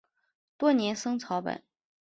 多年生草本。